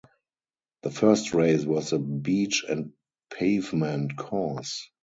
This first race was a beach and pavement course.